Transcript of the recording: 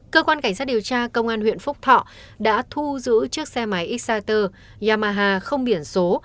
cơ quan cảnh sát điều tra công an huyện phúc thọ đã thu giữ chiếc xe máy exciter yamaha không biển số